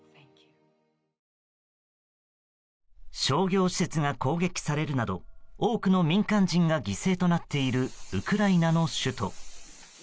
商業施設が攻撃されるなど多くの民間人が犠牲となっているウクライナの首都。